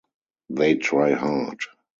They try hard.